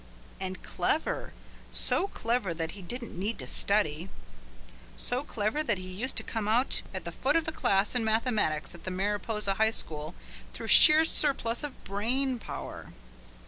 And clever, so clever that he didn't need to study; so clever that he used to come out at the foot of the class in mathematics at the Mariposa high school through sheer surplus of brain power.